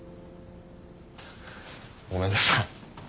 ごめんなさい。